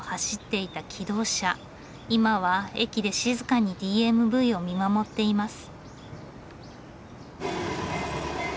今は駅で静かにＤＭＶを見守っています。